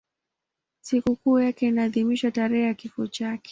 Sikukuu yake inaadhimishwa tarehe ya kifo chake.